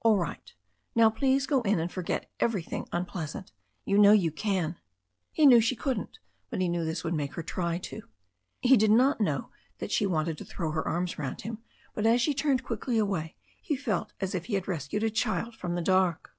"All right. Now, please go in and forget everything un pleasant. You can, you know." He knew she couldn't, but he knew this would make her try to. He did not know that she wanted to throw her arms round him, but as she turned quickly away he felt as if he had rescued a child from the dark.